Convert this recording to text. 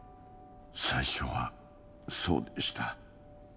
最初はそうでした。